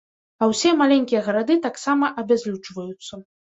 А ўсе маленькія гарады таксама абязлюджваюцца.